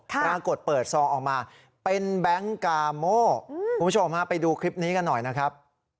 ปรากฏเปิดซองออกมาเป็นแบงค์กาโม่คุณผู้ชมฮะไปดูคลิปนี้กันหน่อยนะครับ